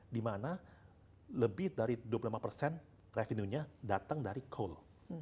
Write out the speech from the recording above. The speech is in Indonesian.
dimana lebih dari dua puluh lima persen revenue nya datang dari coal